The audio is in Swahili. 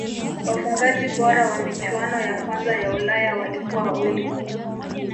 wafungaji bora wa michuano ya kwanza ya ulaya walikuwa wawili